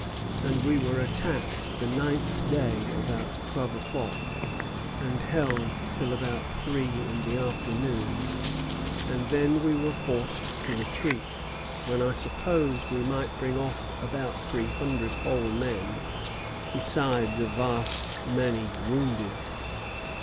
And we were attacked the ninth day about twelve o'clock, and held till about three in the afternoon, and then we were forced to retreat, when I suppose we might bring off about three hundred whole men, besides a vast many wounded.